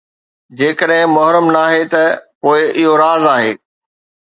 جيڪڏهن محرم ناهي ته پوءِ اهو راز آهي